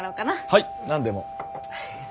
はい何でも。